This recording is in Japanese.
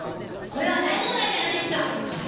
これは大問題じゃないですか！